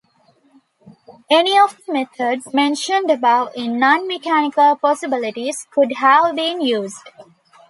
Any of the methods mentioned above in "Non-mechanical possibilities" could have been used.